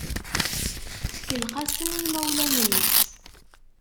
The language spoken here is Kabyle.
Tkellex-asen i yimawlan-nnes.